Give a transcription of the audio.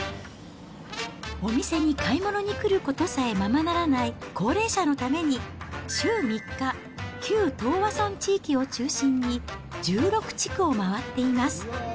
お店に買い物に来ることさえままならない高齢者のために、週３日、旧十和村地域を中心に、１６地区を回っています。